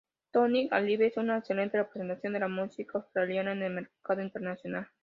Tonight Alive es una excelente representación de la música australiana en el mercado internacional.